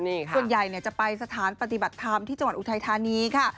นี่ค่ะส่วนใหญ่จะไปสถานปฏิบัติธรรมที่จังหวันอุทัยธานีค่ะ